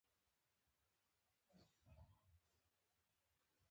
• خندا کول ذهن ته خوشحالي ورکوي.